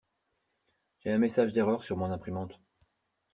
J'ai un message d'erreur sur mon imprimante.